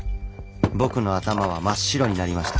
僕の頭は真っ白になりました。